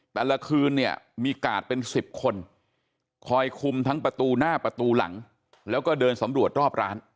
แต่ละคืนเนี่ยมีกาดเป็น๑๐คนคอยคุมทั้งประตูหน้าประตูหลังแล้วก็เดินสำรวจรอบร้าน